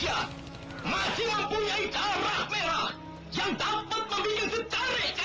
selama banteng banteng indonesia